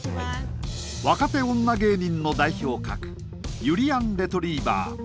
若手女芸人の代表格ゆりやんレトリィバァ。